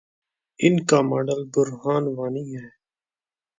ان کا ماڈل برہان وانی ہے۔